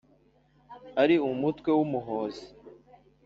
ari umutwe w’ umuhozi